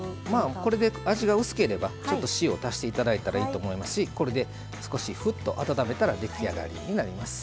これで味が薄ければちょっと塩を足していただいたらいいと思いますしこれで少し沸騰、温めたら出来上がりになります。